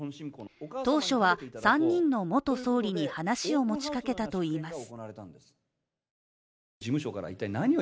当初は３人の元総理に話を持ちかけたといいます。